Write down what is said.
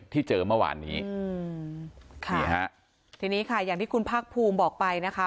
ที่เจอเมื่อวานนี้อืมค่ะนี่ฮะทีนี้ค่ะอย่างที่คุณภาคภูมิบอกไปนะคะ